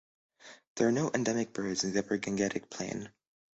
There are no endemic birds in the upper Gangetic Plain.